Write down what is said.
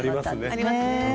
ありますね。